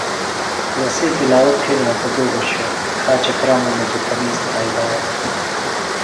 لسی تِلاوت تھیلیۡ ہنتہ بے شو ، کھاچہ کرامم مجیۡ تمیز تھائی بھایہ۔